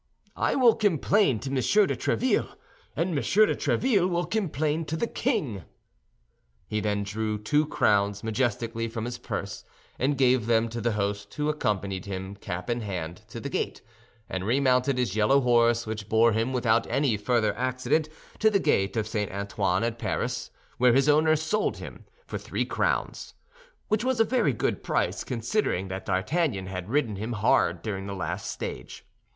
"I will complain to Monsieur de Tréville, and Monsieur de Tréville will complain to the king." He then drew two crowns majestically from his purse and gave them to the host, who accompanied him, cap in hand, to the gate, and remounted his yellow horse, which bore him without any further accident to the gate of St. Antoine at Paris, where his owner sold him for three crowns, which was a very good price, considering that D'Artagnan had ridden him hard during the last stage.